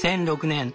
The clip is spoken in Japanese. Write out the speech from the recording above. ２００６年。